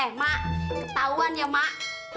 eh mak ketahuan ya mak